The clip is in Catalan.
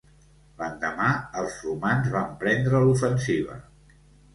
L'endemà, els romans van prendre l'ofensiva.